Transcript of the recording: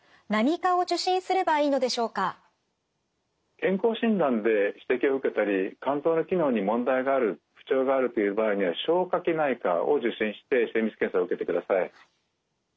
健康診断で指摘を受けたり肝臓の機能に問題がある不調があるという場合には消化器内科を受診して精密検査を受けてください。